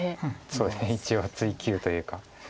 そうですね一応追及というか。